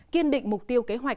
kiên định mục tiêu kế hoạch